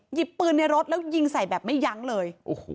หยิบปืนในรถแล้วยิงใส่แบบไม่ยั้งเลย